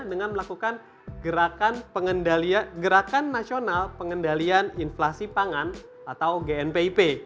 dengan melakukan gerakan nasional pengendalian inflasi pangan atau gnpip